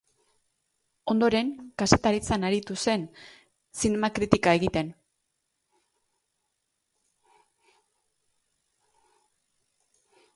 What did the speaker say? Ondoren, kazetaritzan aritu zen, zinema-kritika egiten.